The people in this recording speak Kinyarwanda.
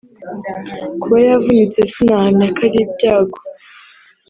Kuba yavunitse sinahamya ko ari ibyago